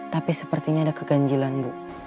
tapi sepertinya ada keganjilan bu